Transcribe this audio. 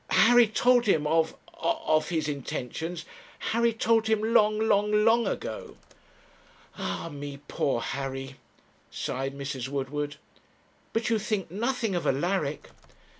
Harry told him of of of his intentions; Harry told him long, long, long ago ' 'Ah me! poor Harry!' sighed Mrs. Woodward. 'But you think nothing of Alaric!'